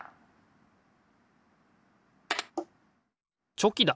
チョキだ！